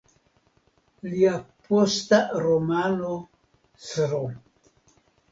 Lia posta romano "Sro.